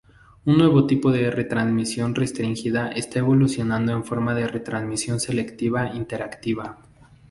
Un nuevo tipo de retransmisión restringida está evolucionando en forma de retransmisión selectiva interactiva.